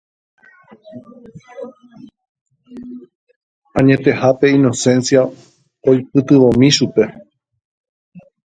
Añetehápe Inocencia oipytyvõmi chupe.